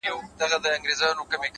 خو ستا د زلفو له هر تار سره خبرې کوي-